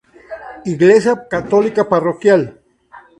Iglesia católica parroquial.